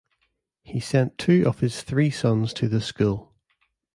He sent two of his three sons to the school.